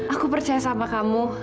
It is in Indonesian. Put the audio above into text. aku percaya sama kamu